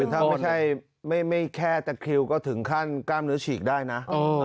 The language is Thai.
ถ้าไม่ใช่ไม่แค่ตะคริวก็ถึงขั้นกล้ามเนื้อฉีกได้นะ